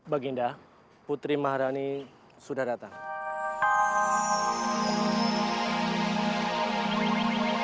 baginda putri maharani sudah datang